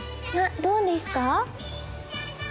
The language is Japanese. どうですか？